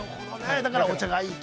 だからお茶がいいと？